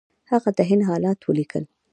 هغه د هند حالات ولیکل.